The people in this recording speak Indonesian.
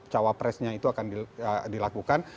cawa presnya itu akan dilakukan